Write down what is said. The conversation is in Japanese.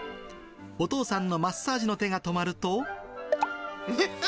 お父さんのマッサージの手が止まると。